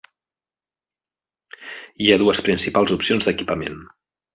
Hi ha dues principals opcions d'equipament.